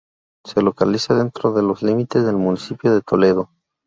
Se localiza dentro de los límites del Municipio de Toledo.